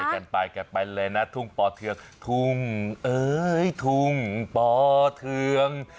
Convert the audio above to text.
กันไปกันไปเลยนะทุ่งป่อเทืองทุ่งเอ๋ยทุ่งป่อเทือง